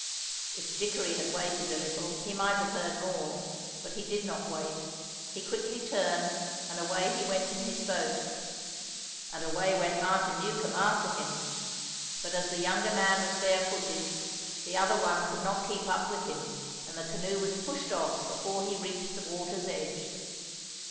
If Dickory had waited a little he might have heard more, but he did not wait; he quickly turned, and away he went in his boat. And away went Martin Newcombe after him. But as the younger man was barefooted, the other one could not keep up with him, and the canoe was pushed off before he reached the water's edge.